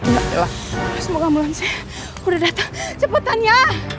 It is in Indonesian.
semoga ambulansnya udah datang cepetan ya